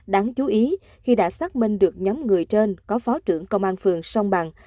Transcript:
đáng chú ý khi đã xác minh được nhóm người trên có phó trưởng công an phường sông bằng